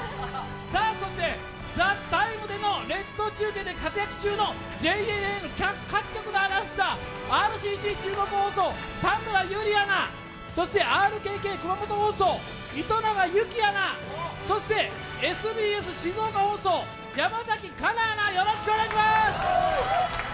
そして「ＴＨＥＴＩＭＥ，」でのネット中継で活躍中のＪＮＮ各局のアナウンサー、田村友里アナ、そしてＲＫＫ熊本放送糸永有希アナ、そしてＳＢＳ静岡放送、山崎加奈アナ、よろしくお願いします。